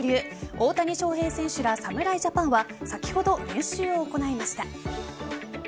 大谷翔平選手ら侍ジャパンは先ほど、練習を行いました。